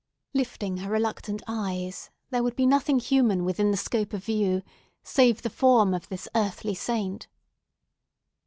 Lifting her reluctant eyes, there would be nothing human within the scope of view, save the form of this earthly saint!